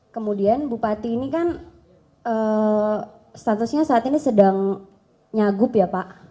kemudian bupati ini kan statusnya saat ini sedang nyagup ya pak